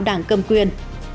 đảng cầm quyền